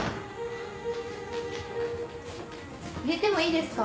入れてもいいですか？